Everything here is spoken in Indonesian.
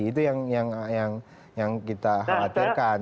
itu yang kita khawatirkan